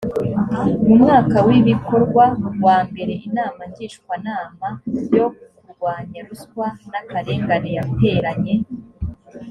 mu mwaka w ibikorwa wambere inama ngishwanama yo kurwanya ruswa n akarengane yateranye